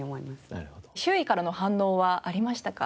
周囲からの反応はありましたか？